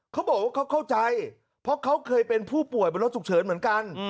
เขาบอกว่าเขาเข้าใจเพราะเขาเคยเป็นผู้ป่วยบนรถฉุกเฉินเหมือนกัน